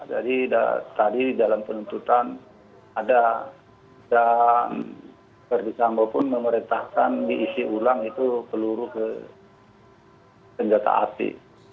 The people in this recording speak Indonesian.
jadi tadi di dalam penuntutan ada verdi sambo pun memerintahkan diisi ulang itu peluru ke senjata api